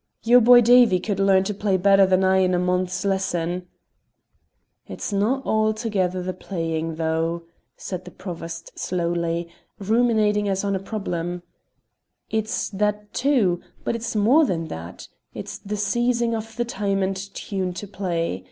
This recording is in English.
"Your boy Davie could learn to play better than I in a month's lessons." "It's no' altogether the playing though," said the Provost slowly, ruminating as on a problem; "it's that too, but it's more than that; it's the seizing of the time and tune to play.